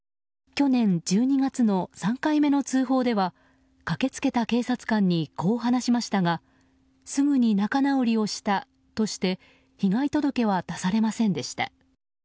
去年１２月の３回目の通報では駆けつけた警察官にこう話しましたがすぐに仲直りをしたとして被害届は出されませんでした。